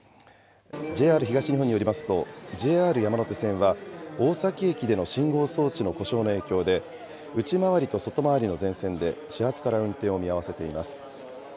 ＪＲ東日本によりますと、ＪＲ山手線は大崎駅での信号装置の故障の影響で、内回りと外回りの全線で始発から運転を見合わせています。